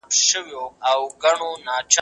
خیر محمد ته د بډایه خلکو نړۍ ډېره پردۍ وه.